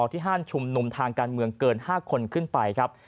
ที่ห้านชุมนุมทางการเมืองเกิน๕คนขึ้นไปครับ